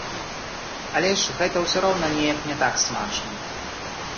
Але ж гэта ўсё роўна неяк не так смачна.